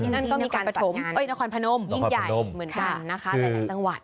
นั่นก็มีการประถมนครพนมยิ่งใหญ่เหมือนกันนะคะหลายจังหวัด